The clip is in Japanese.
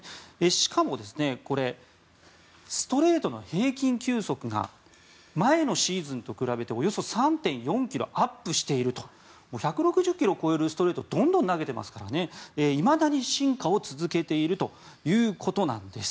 しかも、ストレートの平均速度が前のシーズンと比べておよそ３．４ｋｍアップしていると１６０ｋｍを超えるストレートをどんどん投げていますからいまだに進化を続けているということなんです。